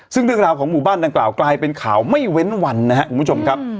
ซึ่งเรื่องราวของหมู่บ้านดังกล่าวกลายเป็นข่าวไม่เว้นวันนะครับคุณผู้ชมครับ